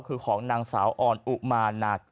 คือของนางสาวออนอุมาหนัก